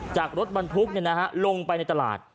จากรถบรรทุกลงไปในตลาด